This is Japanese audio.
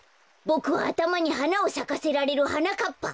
ボクはあたまにはなをさかせられるはなかっぱ！